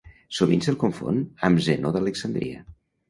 Sovint se'l confon amb Zenó d'Alexandria.